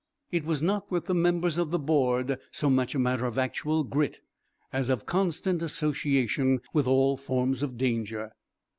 It was not, with the members of the board, so much a matter of actual grit as of constant association with all forms of danger.